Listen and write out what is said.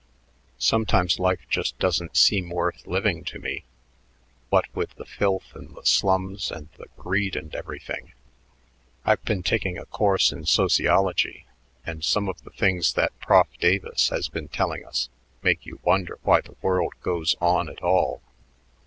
Sometimes life just doesn't seem worth living to me, what with the filth and the slums and the greed and everything. I've been taking a course in sociology, and some of the things that Prof Davis has been telling us make you wonder why the world goes on at all.